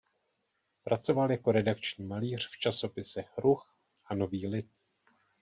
Pracoval jako redakční malíř v časopisech "Ruch" a "Nový lid".